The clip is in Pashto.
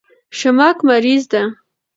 شمک مریض ده